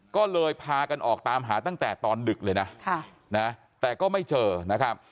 ก็เลยพากันออกตามหาตั้งแต่ตอนดึกเลยนะแต่ก็ไม่เจอนะครับ